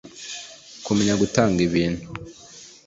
Kumenya gutanga ibintu